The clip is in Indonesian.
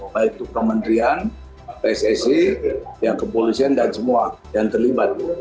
baik itu kementerian pssi yang kepolisian dan semua yang terlibat